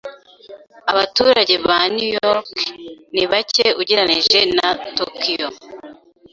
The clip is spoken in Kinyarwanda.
Abaturage ba New York ni bake ugereranije na Tokiyo.